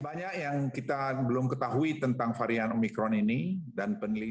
banyak yang kita belum ketahui tentang varian omikron ini